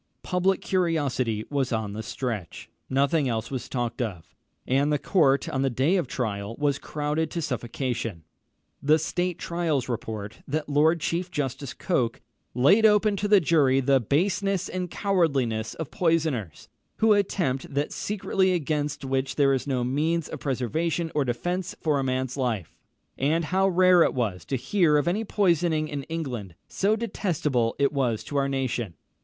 Public curiosity was on the stretch. Nothing else was talked of, and the court on the day of trial was crowded to suffocation. The State Trials report, that Lord Chief Justice Coke "laid open to the jury the baseness and cowardliness of poisoners, who attempt that secretly against which there is no means of preservation or defence for a man's life; and how rare it was to hear of any poisoning in England, so detestable it was to our nation.